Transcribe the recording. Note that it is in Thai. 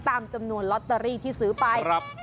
ตามจำนวนลอตเตอรี่ที่ซื้อไป